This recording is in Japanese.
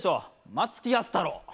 松木安太郎。